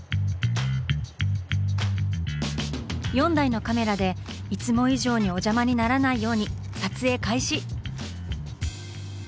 ４台のカメラでいつも以上にお邪魔にならないように撮影開始！